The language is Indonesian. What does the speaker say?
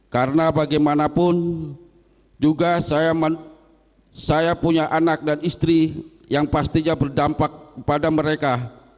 karena bagaimanapun juga saya punya anak dan istri yang pastinya berdampak pada mereka